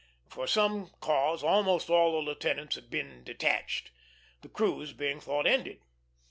For some cause almost all the lieutenants had been detached, the cruise being thought ended.